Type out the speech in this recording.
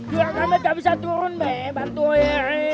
juga kan meme gabisa turun be bantuin